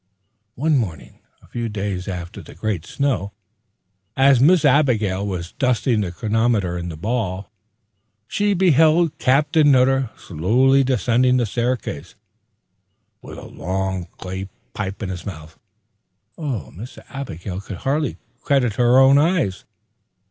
One morning, a few days after the great snow, as Miss Abigail was dusting the chronometer in the ball, she beheld Captain Nutter slowly descending the staircase, with a long clay pipe in his mouth. Miss Abigail could hardly credit her own eyes.